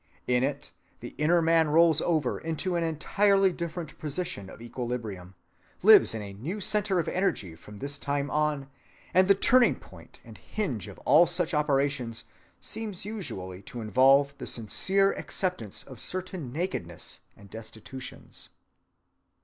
In it the inner man rolls over into an entirely different position of equilibrium, lives in a new centre of energy from this time on, and the turning‐point and hinge of all such operations seems usually to involve the sincere acceptance of certain nakednesses and destitutions.